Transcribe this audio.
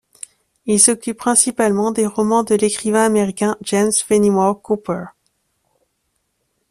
Il s'occupe principalement des romans de l'écrivain américain James Fenimore Cooper.